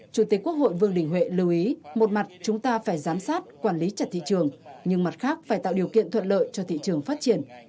chủ tịch quốc hội vương đình huệ lưu ý một mặt chúng ta phải giám sát quản lý chặt thị trường nhưng mặt khác phải tạo điều kiện thuận lợi cho thị trường phát triển